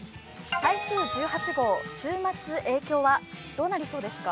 台風１８号、週末影響はどうなりそうですか？